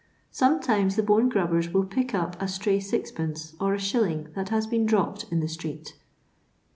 Sometimes the bone grubbers will pick up a stray sixpence or a shilling that has been dropped in the street.